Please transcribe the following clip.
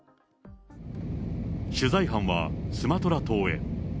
取材班はスマトラ島へ。